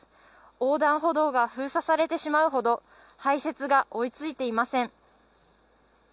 横断歩道が封鎖されてしまうほど排雪が追い付いていません。